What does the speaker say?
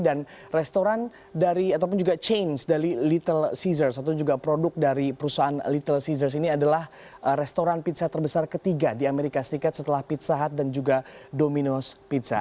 dan restoran dari ataupun juga chains dari little caesar atau juga produk dari perusahaan little caesar ini adalah restoran pizza terbesar ketiga di amerika serikat setelah pizza hut dan juga domino's pizza